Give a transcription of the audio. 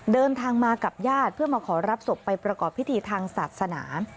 เดินทางมากับญาติเพื่อมาขอรับศพไปประกอบพิธีทางศาสนา